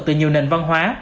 từ nhiều nền